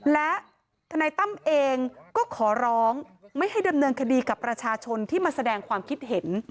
และทนายตั้มเองก็ขอร้องไม่ให้ดำเนินคดีกับประชาชนที่มาแสดงความคิดเห็น